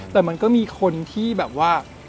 แต่มันก็มีคนที่แบบว่า